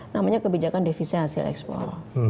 namanya kebijakan devisa hasil ekspor